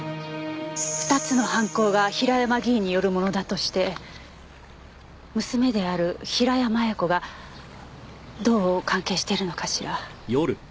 ２つの犯行が平山議員によるものだとして娘である平山亜矢子がどう関係しているのかしら？